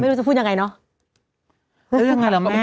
ไม่รู้จะพูดยังไงเนอะ